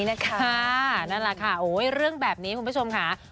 นั่นละค่ะเล่นแบบนี้คุณผู้ชมค่ะ